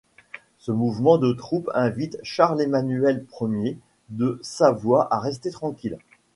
Ce mouvement de troupe invite Charles-Emmanuel Ier de Savoie à rester tranquille.